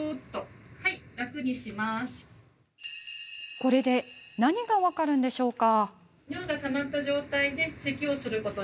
これで何が分かるんでしょうか？